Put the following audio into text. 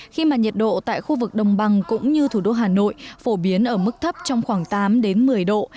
khi mà nhiệt độ tại khu vực đồng bằng cũng như thủ đô hà nội phổ biến ở mức thấp trong khoảng tám một mươi độ